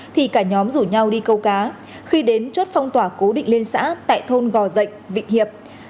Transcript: thì cả nhóm rủ nhau đi câu cá khi đến chốt phong tỏa cố định liên xã tại thôn gò dạch vịnh hiệp